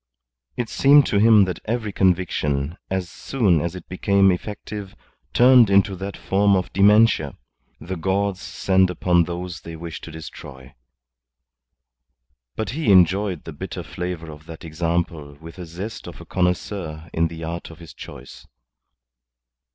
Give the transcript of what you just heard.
It seemed to him that every conviction, as soon as it became effective, turned into that form of dementia the gods send upon those they wish to destroy. But he enjoyed the bitter flavour of that example with the zest of a connoisseur in the art of his choice.